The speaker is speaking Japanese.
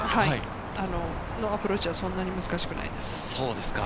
このアプローチはそんなに難しくないです。